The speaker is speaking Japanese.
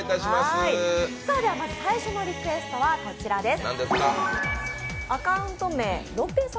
まず最初のリクエストはこちらです。